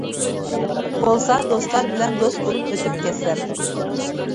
بولسا دوستلار بىلەن دوست بولۇپ ئۆتۈپ كەتسەم!